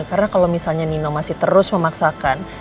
karena kalau misalnya nino masih terus memaksakan